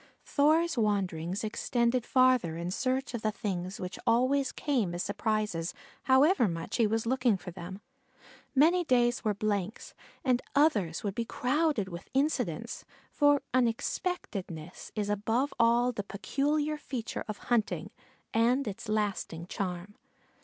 Thor's wanderings extended farther in search of the things which always came as surprises however much he was looking for them. Many days were blanks and others would be crowded with incidents, for unexpectedness is above all the peculiar feature of hunting, and its lasting charm.